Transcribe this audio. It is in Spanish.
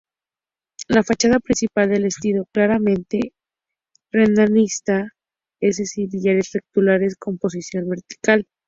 La fachada principal, de estilo claramente renacentista, es de sillares rectangulares y composición vertical.